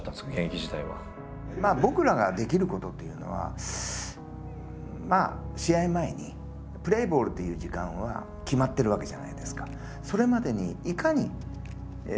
僕らができることっていうのは試合前にプレーボールという時間は決まってるわけじゃないですか。